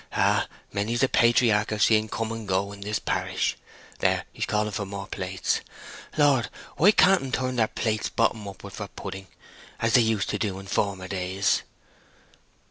Ah, many's the patriarch I've seed come and go in this parish! There, he's calling for more plates. Lord, why can't 'em turn their plates bottom upward for pudding, as they used to do in former days?"